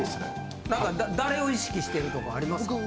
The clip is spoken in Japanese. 誰を意識してるとかありますか？